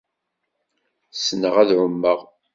Ssneɣ ad εummeɣ.